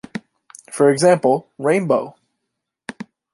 For example, rainbow.